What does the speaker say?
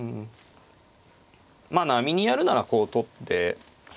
まあ並にやるならこう取って。